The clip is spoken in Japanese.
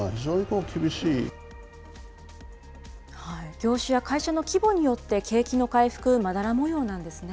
業種や会社の規模によって景気の回復、まだら模様なんですね。